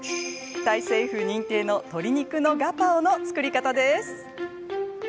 タイ政府認定の鶏肉のガパオの作り方です。